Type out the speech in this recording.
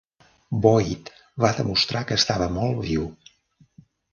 Boyd va demostrar que estava molt viu.